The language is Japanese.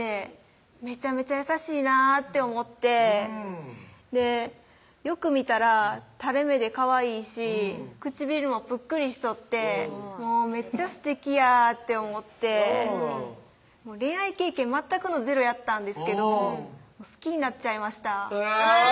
めちゃめちゃ優しいなって思ってよく見たら垂れ目でかわいいし唇もぷっくりしとってもうめっちゃすてきやって思ってうん恋愛経験全くのゼロやったんですけど好きになっちゃいましたうわ！